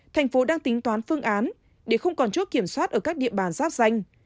thành phố đang tính toán phương án để không còn chốt kiểm soát ở các địa bàn giáp danh